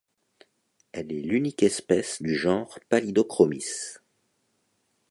Elle est l'unique espèce du genre Pallidochromis.